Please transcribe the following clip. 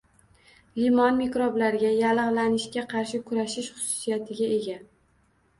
Limon mikroblarga, yallig‘lanishga qarshi kurashish xususiyatiga ega.